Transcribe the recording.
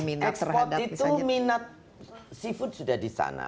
kalau ekspor itu minat seafood sudah disana